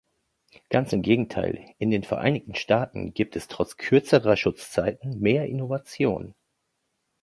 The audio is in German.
Ganz im Gegenteil, in den Vereinigten Staaten gibt es trotz kürzerer Schutzzeiten mehr Innovation.